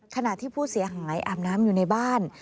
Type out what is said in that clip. ขณะที่ผู้เสียหายอาบน้ำอยู่ในบ้าน